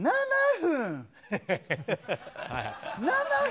７分？